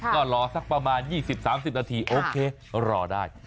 ก็รอสักประมาณ๒๐๓๐นาทีโอเครอได้